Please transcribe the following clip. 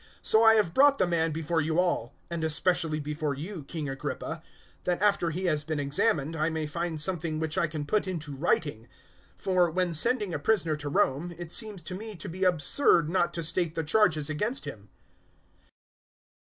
So I have brought the man before you all and especially before you, King Agrippa that after he has been examined I may find something which I can put into writing. 025:027 For, when sending a prisoner to Rome, it seems to me to be absurd not to state the charges against him."